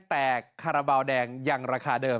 แต่ขระเบาแดงอย่างราคาเดิม